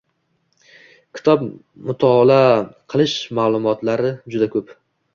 Kitob mutolaa qilish foydalari juda ko‘p.